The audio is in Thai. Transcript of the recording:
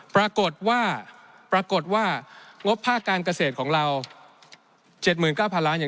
ปรากฏว่างบภาคการเกษตรของเรา๗๙๐๐๐ล้าน